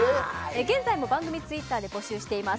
現在も番組ツイッターで募集しています。